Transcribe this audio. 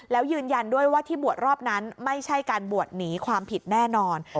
แล้วยืนยันด้วยว่าที่บวชรอบนั้นไม่ใช่การบวชหนีความผิดแน่นอน